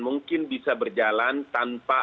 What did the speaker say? mungkin bisa berjalan tanpa